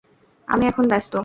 আমি এখন ব্যস্ত।